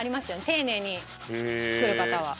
丁寧に作る方は。